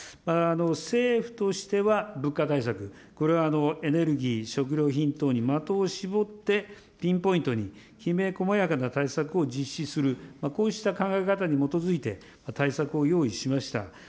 政府としては物価対策、これはエネルギー、食料品等に的を絞って、ピンポイントにきめこまやかな対策を実施する、こうした考え方に基づいて対策を用意しました。